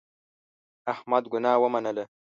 احمد ګناه ومنله.